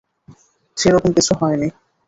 সেরকম কিছু হয়নি।